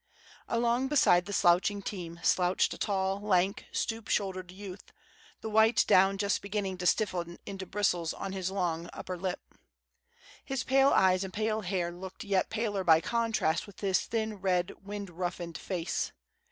Along beside the slouching team slouched a tall, lank, stoop shouldered youth, the white down just beginning to stiffen into bristles on his long upper lip. His pale eyes and pale hair looked yet paler by contrast with his thin, red, wind roughened face.